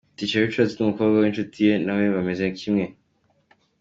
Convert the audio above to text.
T Richards n'umukobwa w'inshuti ye na we bameze kimwe.